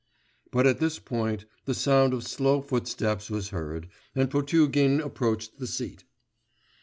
But at this point the sound of slow footsteps was heard, and Potugin approached the seat.